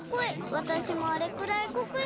わたしもあれくらいこくしたいな。